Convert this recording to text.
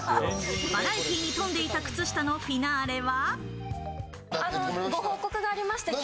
バラエティーに富んでいた靴下のフィナーレは。